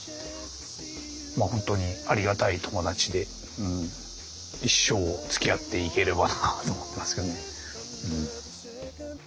本当にありがたい友達で一生つきあっていければなと思ってますけどねうん。